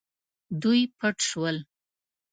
دوی پټ شول.